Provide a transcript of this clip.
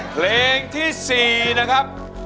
เพลงที่๔นะครับ